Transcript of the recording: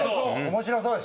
面白そう。